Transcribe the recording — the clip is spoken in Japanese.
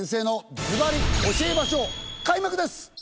開幕です！